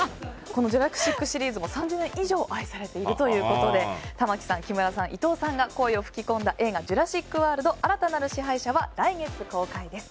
「ジュラシック」シリーズも３０年以上愛されているということで玉木さん、木村さん、伊藤さんが声を吹き込んだ映画「ジュラシック・ワールド／新たなる支配者」は来月公開です。